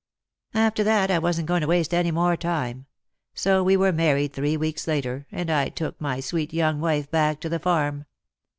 After that I wasn't going to waste any more time ; so we were married three weeks later, and I took my sweet young wife back to the farm.